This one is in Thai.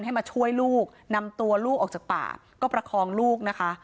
ให้มาช่วยลูกนำตัวลูกออกจากป่าก็ประคองลูกนะคะ